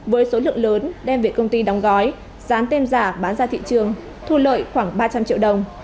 với số lượng lớn đem về công ty đóng gói dán tem giả bán ra thị trường thu lợi khoảng ba trăm linh triệu đồng